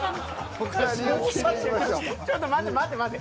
ちょっと待て待て待て。